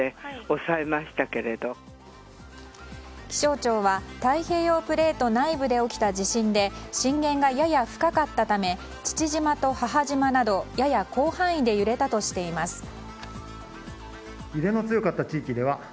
気象庁は太平洋プレート内部で起きた地震で震源がやや深かったため父島と母島などやや広範囲で揺れたとしています。